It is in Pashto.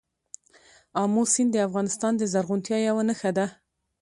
آمو سیند د افغانستان د زرغونتیا یوه نښه ده.